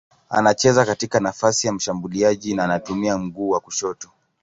Anacheza katika nafasi ya mshambuliaji na anatumia mguu wa kushoto.